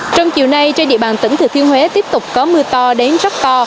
trong chiều nay trên địa bàn tỉnh thừa thiên huế tiếp tục có mưa to đến rất to